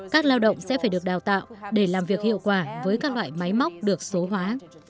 các lao động sẽ phải được đào tạo để làm việc hiệu quả với các loại máy móc được số hóa